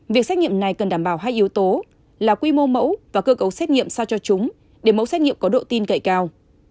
việc xét nghiệm này cần đảm bảo hai yếu tố là quy mô mẫu và cơ cấu xét nghiệm sao cho chúng để mẫu xét nghiệm có độ tin cậy cao